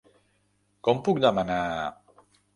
Com puc demanar.?